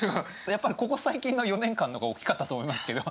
やっぱここ最近の４年間のが大きかったと思いますけど。